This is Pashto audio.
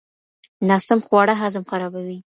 ناسم خواړه هضم خرابوي.